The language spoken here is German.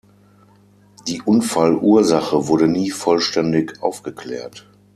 Die Unfallursache wurde nie vollständig aufgeklärt.